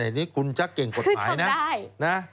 อันนี้คุณจักรเก่งกฎหมายนะ